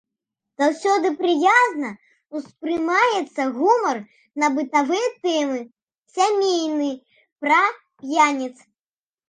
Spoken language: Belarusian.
Заўсёды прыязна ўспрымаецца гумар на бытавыя тэмы, сямейны, пра п'яніц.